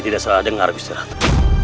tidak salah dengar gusti ratu